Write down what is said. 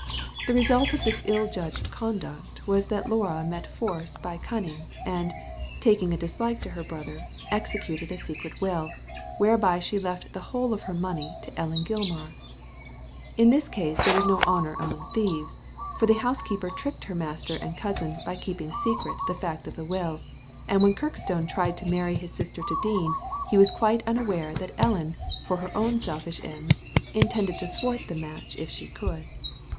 The result of this ill judged conduct was that Laura met force by cunning, and, tak ing a dislike to her brother, executed a secret will, whereby she left the whole of the money to Ellen Oilman In this case there was no honour among thieves, for the housekeeper tricked her master and cousin by keeping secret the fact of the will, and when Kirk stone tried to marry his sister to Dean, he was quite unaware that Ellen, for her own selfish ends, intended to thwart the match if she could.